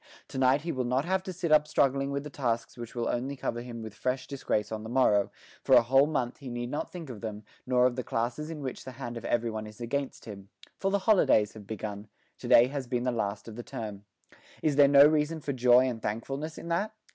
To night he will not have to sit up struggling with the tasks which will only cover him with fresh disgrace on the morrow; for a whole month he need not think of them, nor of the classes in which the hand of everyone is against him. For the holidays have begun; to day has been the last of the term. Is there no reason for joy and thankfulness in that?